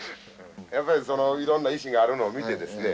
やっぱりそのいろんな石があるのを見てですね